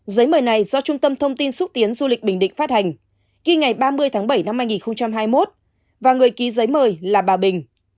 giấy mời này do trung tâm thông tin xúc tiến du lịch bình định phát hành ghi ngày ba mươi tháng bảy năm hai nghìn hai mươi một và người ký giấy mời là bà bình